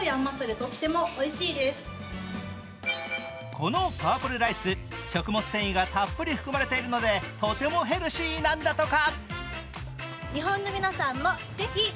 このパープルライス、食物繊維がたっぷり含まれているのでとてもヘルシーなんだとか。